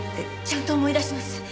ちゃんと思い出します。